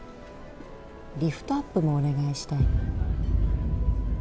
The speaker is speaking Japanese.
リフトアップもお願いしたいの。